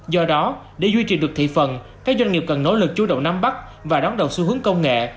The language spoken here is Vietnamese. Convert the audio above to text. do đó để duy trì được thị phần các doanh nghiệp cần nỗ lực chú động nắm bắt và đón đầu xu hướng công nghệ